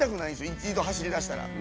一度走りだしたら。